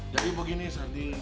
jadi begini sarding